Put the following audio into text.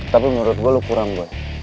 tapi menurut gue lo kurang